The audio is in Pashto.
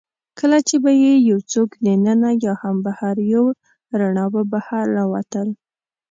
کله چي به يې یوڅوک دننه یا هم بهر یووړ، رڼا به بهر راوتل.